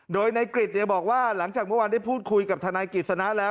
โดยในกริจเนี่ยบอกว่าหลังจากเมื่อวานได้พูดคุยกับธนายกิจสนาแล้ว